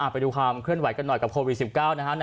ไปดูความเคลื่อนไหวกันหน่อยกับโควิด๑๙นะฮะ